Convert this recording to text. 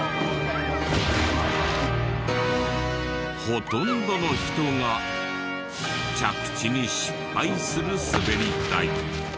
ほとんどの人が着地に失敗するスベリ台。